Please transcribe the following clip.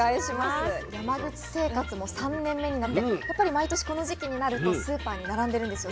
山口生活も３年目になってやっぱり毎年この時期になるとスーパーに並んでるんですよ。